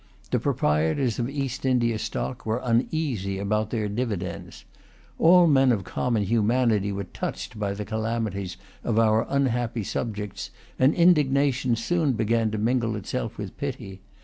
The proprietors of East India stock were uneasy about their dividends. All men of common humanity were touched by the calamities of our unhappy subjects; and indignation soon began to mingle itself with pity.